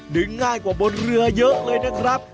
ง่ายกว่าบนเรือเยอะเลยนะครับ